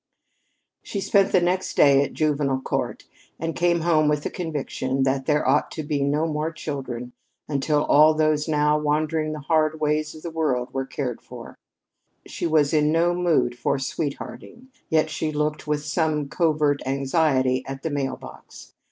She spent the next day at the Juvenile Court, and came home with the conviction that there ought to be no more children until all those now wandering the hard ways of the world were cared for. She was in no mood for sweethearting, yet she looked with some covert anxiety at the mail box.